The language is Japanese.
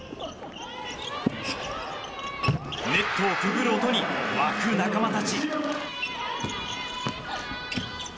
ネットをくぐる音に沸く仲間たち。